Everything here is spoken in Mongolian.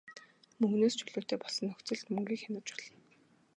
Мөнгөнөөс чөлөөтэй болсон нөхцөлд мөнгийг хянаж болно.